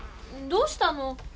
どうしたの？